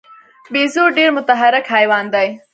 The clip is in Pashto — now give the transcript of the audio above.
بیزو ډېر متحرک حیوان دی.